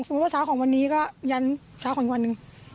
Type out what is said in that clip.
ว่าเช้าของวันนี้ก็ยันเช้าของอีกวันหนึ่ง